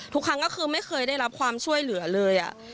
ทุกครั้งก็คือไม่เคยได้รับความช่วยเหลือเลย